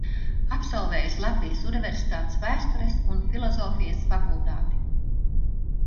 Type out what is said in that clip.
Absolvējusi Latvijas Universitātes Vēstures un filozofijas fakultāti.